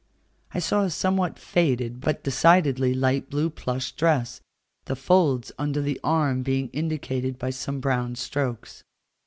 I saw a somewhat faded, but decidedly light blue plush dress, the folds under the arm being indicated by some brown strokes.